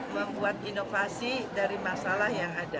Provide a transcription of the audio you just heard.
membuat inovasi dari masalah yang ada